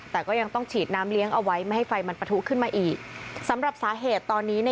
แต่ก็ยังต้องฉีดน้ำเลี้ยงเอาไว้ไม่ให้ไฟมันปะทุขึ้นมาอีกสำหรับสาเหตุตอนนี้